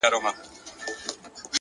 د حقیقت رڼا د فریب پردې څیروي